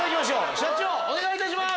社長お願いいたします！